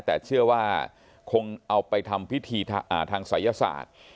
แต่เชื่อว่าคงเอาไปทำพิธีทางศัยศาสตร์